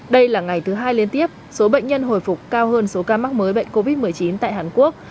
đây là ngày thứ hai liên tiếp số bệnh nhân hồi phục cao hơn số ca mắc mới bệnh covid một mươi chín tại hàn quốc